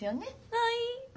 はい。